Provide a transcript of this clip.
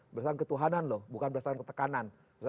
berdasarkan ketuhanan loh bukan berdasarkan ketekanan